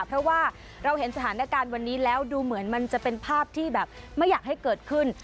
เพราะว่าเราเห็นสถานการณ์วันนี้แล้วดูเหมือนมันจะเป็นภาพที่แบบไม่อยากให้เกิดขึ้น